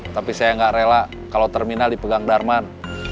tapi saya nggak rela kalau terminal dipegang darman